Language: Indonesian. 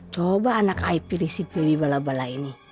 coba anak ayah pilih si baby bala bala ini